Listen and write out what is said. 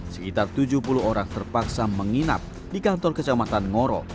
sekitar tujuh puluh orang terpaksa menginap di kantor kecamatan ngoro